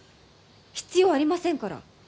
必要ありませんから。